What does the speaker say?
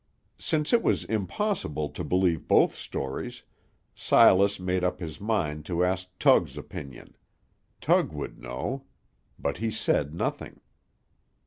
Since it was impossible to believe both stories, Silas made up his mind to ask Tug's opinion, Tug would know, but he said nothing.